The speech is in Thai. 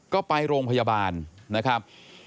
ก็ไปโรงพยาบาลนะครับ